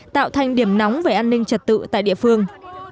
tạo thành điểm nóng về an ninh trật tự tại địa phương